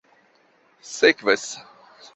sekvas